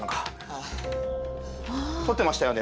撮ってましたよね